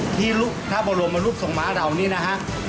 ที่ทหารบรมลุกส่งม้าดาวนี้นะครับ